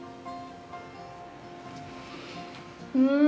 うん！